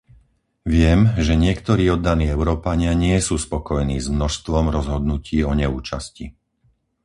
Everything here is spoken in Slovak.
Viem, že niektorí oddaní Európania nie sú spokojní s množstvom rozhodnutí o neúčasti.